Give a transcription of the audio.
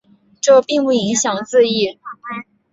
这并不影响字义。